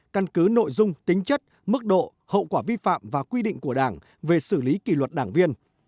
căn cứ nội dung tính chất mức độ hậu quả vi phạm và quy định của đảng về xử lý kỷ luật đảng viên